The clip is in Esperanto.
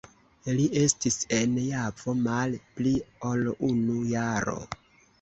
Li estis en Javo mal pli ol unu jaro.